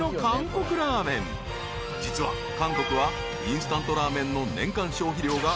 ［実は韓国はインスタントラーメンの年間消費量が］